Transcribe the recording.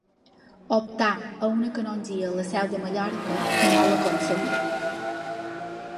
Optà a una canongia a la Seu de Mallorca i no l'aconseguí.